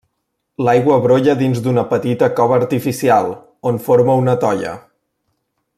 L'aigua brolla dins d'una petita cova artificial, on forma una tolla.